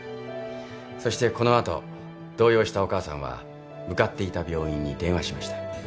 そしてこの後動揺したお母さんは向かっていた病院に電話しました。